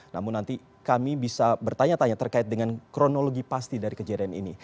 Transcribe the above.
namun nanti kami bisa bertanya tanya terkait dengan kronologi pasti dari kejadian ini